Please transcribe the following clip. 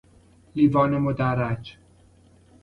لیوان مدرج